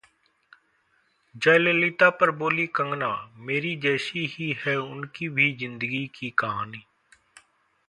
जयललिता पर बोली कंगना, 'मेरी जैसी ही है उनकी भी ज़िंदगी की कहानी'